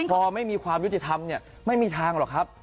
พอไม่มีความยุติธรรมเนี่ยไม่มีทางหรอกครับ